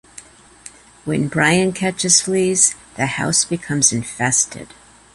When Brian catches fleas, the house becomes infested.